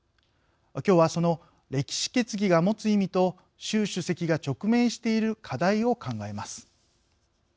きょうはその歴史決議が持つ意味と習主席が直面している課題を考えます。